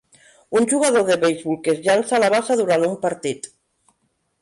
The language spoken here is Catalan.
Un jugador de beisbol que es llança a la base durant un partit